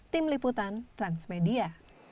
tim liputan transmedia